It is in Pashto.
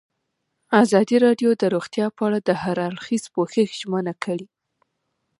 ازادي راډیو د روغتیا په اړه د هر اړخیز پوښښ ژمنه کړې.